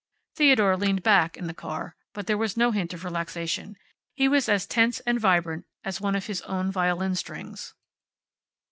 Theodore leaned back in the car, but there was no hint of relaxation. He was as tense and vibrant as one of his own violin strings.